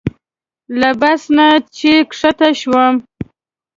له بس نه چې ښکته شوم.